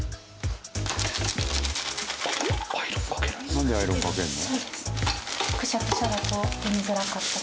なんでアイロンかけるの？